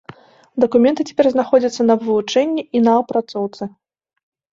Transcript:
Дакументы цяпер знаходзяцца на вывучэнні і на апрацоўцы.